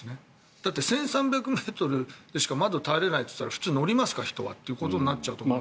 だって、１３００ｍでしか窓は耐えられないっていったら普通、乗りますか人はということになるので。